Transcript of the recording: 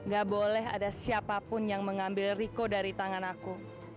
gak boleh ada siapapun yang mengambil rico dari tangan aku